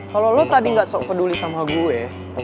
kalo lo tadi gak sok peduli sama gue